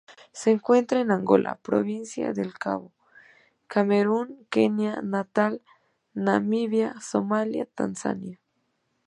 Se encuentra en Angola, Provincia del Cabo, Camerún, Kenia, Natal, Namibia, Somalia, Tanzania.